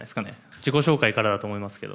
自己紹介からだと思いますけど。